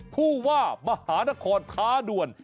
ผู้ว่ามหานครท้าด่วน